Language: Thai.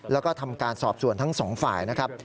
แล้วก็ทำการสอบส่วนทั้งสองฝ่ายนะครับ